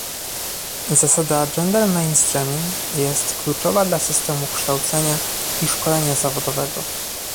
Zasada gender mainstreaming jest kluczowa dla systemu kształcenia i szkolenia zawodowego